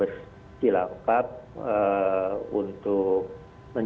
jadi saya pikir ini adalah strategi yang harus diperhatikan